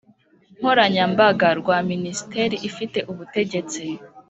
nkoranyambaga rwa Minisiteri ifite ubutegetsi